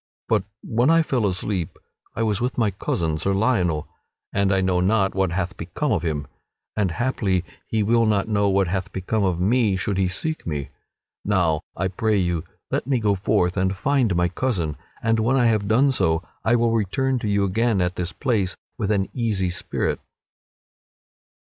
But when I fell asleep I was with my cousin, Sir Lionel, and I know not what hath become of him, and haply he will not know what hath become of me should he seek me. Now I pray you let me go forth and find my cousin, and when I have done so I will return to you again at this place with an easy spirit."